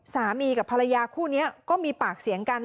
สามีกับภรรยาคู่นี้ก็มีปากเสียงกัน